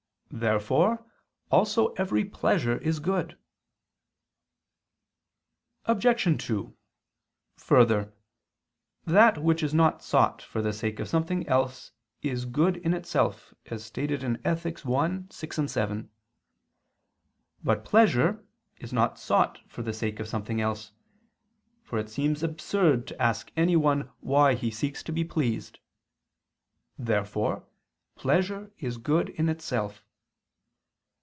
Therefore also every pleasure is good. Obj. 2: Further, that which is not sought for the sake of something else, is good in itself, as stated in Ethic. i, 6, 7. But pleasure is not sought for the sake of something else; for it seems absurd to ask anyone why he seeks to be pleased. Therefore pleasure is good in itself.